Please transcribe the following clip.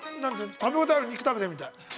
食べ応えある肉食べてるみたい。